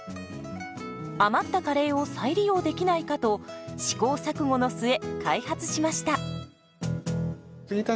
余ったカレーを再利用できないかと試行錯誤の末開発しました。